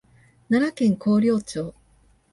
奈良県広陵町